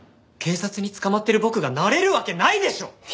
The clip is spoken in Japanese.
警察に捕まってる僕がなれるわけないでしょう！？